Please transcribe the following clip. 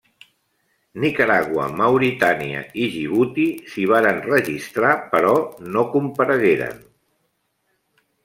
Nicaragua, Mauritània, i Djibouti s'hi varen registrar però no comparegueren.